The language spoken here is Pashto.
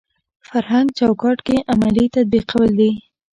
فرهنګ چوکاټ کې عملي تطبیقول دي.